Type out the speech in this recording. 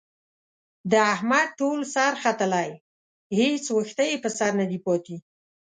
د احمد ټول سر ختلی، هېڅ وېښته یې په سر ندی پاتې.